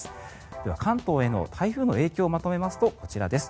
では、関東への台風の影響をまとめますとこちらです。